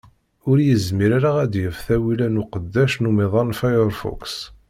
Ur yezmir ara ad d-yaf tawila n uqeddac n umiḍan Firefox.